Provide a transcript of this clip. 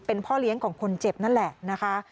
เป็นพ่อเลี้ยงของคนเจ็บนั่นแหละนะคะ